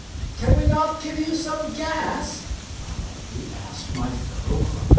15] "Can we not give you some gas?" politely asked my fellow clubmen.